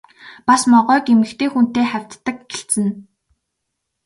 Бас могойг эмэгтэй хүнтэй хавьтдаг гэлцэнэ.